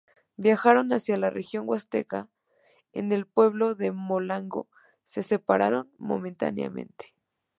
Viajaron hacia la región Huasteca, en el pueblo de Molango se separaron momentáneamente.